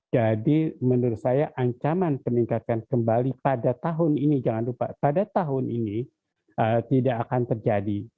jadi menurut saya ancaman peningkatan kembali pada tahun ini jangan lupa pada tahun ini tidak akan terjadi